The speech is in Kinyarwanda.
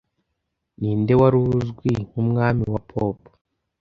Ninde wari uzwi nkumwami wa Pop